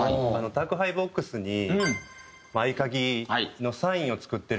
宅配ボックスに合鍵のサインを作ってるんですね。